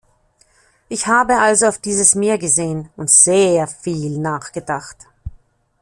Ich habe also auf dieses Meer gesehen und sehr viel nachgedacht.